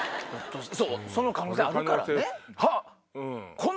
その可能性あるからね。